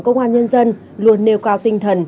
công an nhân dân luôn nêu cao tinh thần